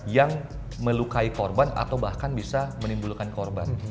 yang melukai korban atau bahkan bisa menimbulkan korban